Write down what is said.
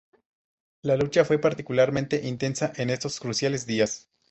La lucha fue particularmente intensa en estos cruciales días.